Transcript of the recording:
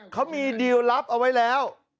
เขามีดีลลับเอาไว้แล้ว